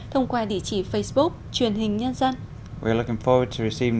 thông qua địa chỉ facebook truyền hình nhân dân